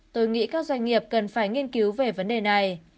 tôi nghĩ các doanh nghiệp cần phải nghiên cứu về vấn đề này